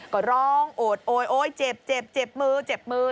ก็ร้องโอดโอ๊ยโอ๊ยเจ็บเจ็บมือเจ็บมือ